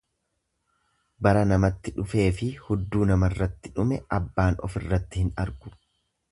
Bara namatti dhufeefi hudduu namarratti dhume abbaan ofirratti hin argu.